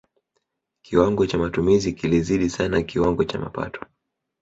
kiwango cha matumizi kilizidi sana kiwango cha mapato